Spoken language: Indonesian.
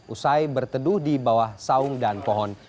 usai berteduh di bawah saung dan pohon